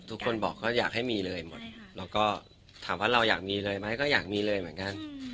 ทุกคนบอกเขาอยากให้มีเลยหมดแล้วก็ถามว่าเราอยากมีเลยไหมก็อยากมีเลยเหมือนกัน